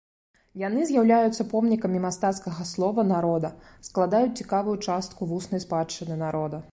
Яны з'яўляюцца помнікамі мастацкага слова народа, складаюць цікавую частку вуснай спадчыны народа.